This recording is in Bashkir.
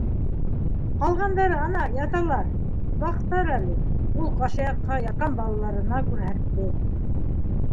Ҡалғандары ана яталар, ваҡтар әле, — ул ҡашаяҡҡа, ятҡан балаларына, күрһәтте.